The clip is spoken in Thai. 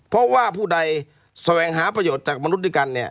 เพราะว่าผู้ใดแสวงหาประโยชน์จากมนุษย์ด้วยกันเนี่ย